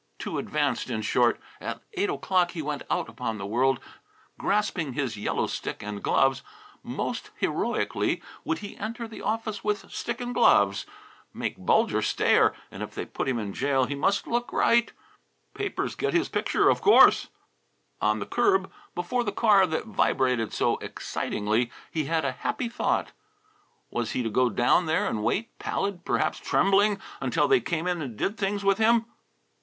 Too advanced, in short. At eight o'clock he went out upon the world, grasping his yellow stick and gloves. Most heroically would he enter the office with stick and gloves. Make Bulger stare! And if they put him in jail he must look right papers get his picture, of course! [Illustration: Thereafter, until late at night, the red car was trailed by the taxi cab] On the curb, before the car that vibrated so excitingly he had a happy thought. Was he to go down there and wait, pallid, perhaps trembling, until they came in and did things with him?